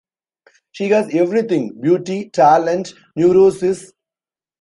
She has everything-beauty, talent, neurosis.